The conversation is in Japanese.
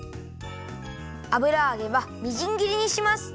油あげはみじんぎりにします。